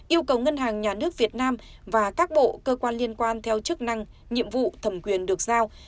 yêu cầu ngân hàng nhà nước việt nam và các bộ cơ quan liên quan theo chức năng nhiệm vụ thẩm quyền được giao